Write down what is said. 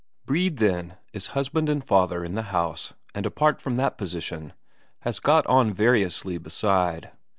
Brede, then, is husband and father in the house, and apart from that position, has got on variously beside.